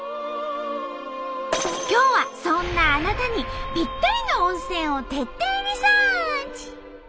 今日はそんなあなたにぴったりの温泉を徹底リサーチ！